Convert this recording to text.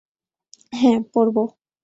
হ্যাঁ, পরব।